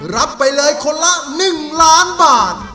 รับไปเลยคนละหนึ่งล้านบาท